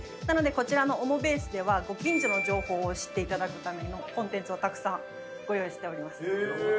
なのでこちらのＯＭＯベースではご近所の情報を知っていただくためのコンテンツをたくさんご用意しております。